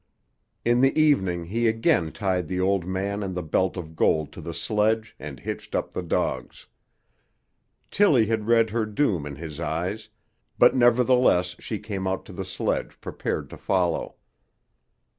In the evening he again tied the old man and the belt of gold to the sledge and hitched up the dogs. Tillie had read her doom in his eyes, but nevertheless she came out to the sledge prepared to follow.